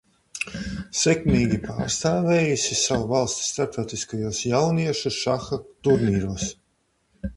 Sekmīgi pārstāvējusi savu valsti starptautiskajos jauniešu šaha turnīros.